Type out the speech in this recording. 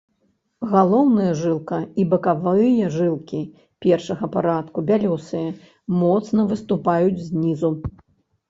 Галоўная жылка і бакавыя жылкі першага парадку бялёсыя, моцна выступаюць знізу.